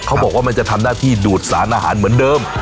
เขาบอกว่ามันจะทำหน้าที่ดูดสารอาหารเหมือนเดิม